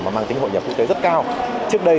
mà mang tính hội nhập quốc tế rất cao